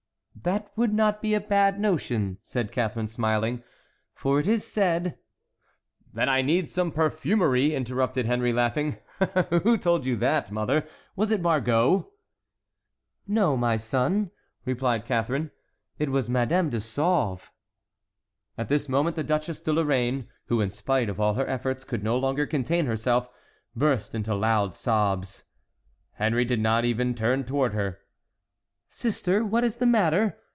"That would not be a bad notion," said Catharine, smiling; "for it is said"— "That I need some perfumery," interrupted Henry, laughing; "who told you that, mother? Was it Margot?" "No, my son," replied Catharine, "it was Madame de Sauve." At this moment the Duchesse de Lorraine, who in spite of all her efforts could no longer contain herself, burst into loud sobs. Henry did not even turn toward her. "Sister, what is the matter?"